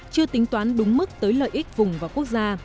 chưa tính toán đúng mức tới lợi ích vùng và quốc gia